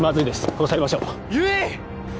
押さえましょう悠依！